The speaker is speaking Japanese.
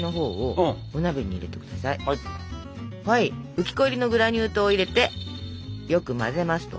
浮き粉入りのグラニュー糖を入れてよく混ぜますと。